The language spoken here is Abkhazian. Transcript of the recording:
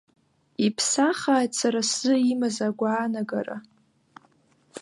Иԥсахааит сара сзы имаз агәаанагара.